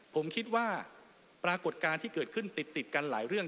ผมคิดว่าปรากฏการณ์ที่เกิดขึ้นติดกันหลายเรื่อง